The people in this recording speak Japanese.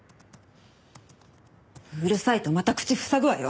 うるさいとまた口塞ぐわよ。